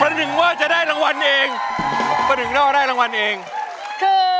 ครับฟันนึกว่าจะได้รางวัลเองฟันนึกว่าจะได้รางวัลเองคือ